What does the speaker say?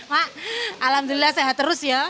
mak alhamdulillah sehat terus ya